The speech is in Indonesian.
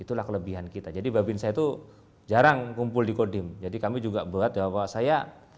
itulah kelebihan kita jadi babin saya itu jarang kumpul di kodim jadi kami juga buat bahwa saya